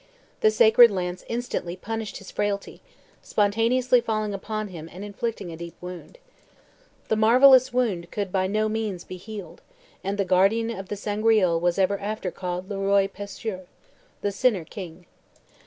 The sacred lance instantly punished his frailty, spontaneously falling upon him, and inflicting a deep wound. The marvellous wound could by no means be healed, and the guardian of the Sangreal was ever after called "Le Roi Pescheur," The Sinner King.